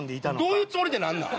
「どういうつもり」ってなんなん？